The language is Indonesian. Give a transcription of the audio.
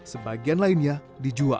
sebagian lainnya dijual